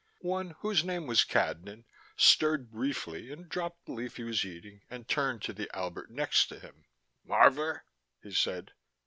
One, whose name was Cadnan, stirred briefly and dropped the leaf he was eating and turned to the Albert next to him. "Marvor," he said.